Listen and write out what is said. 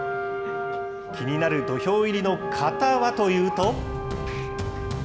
気になる土俵入りの型はというと。